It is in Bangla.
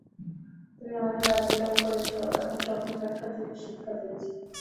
তুমি আমাকে রাজ্য দান করেছ এবং স্বপ্নের ব্যাখ্যা শিক্ষা দিয়েছ।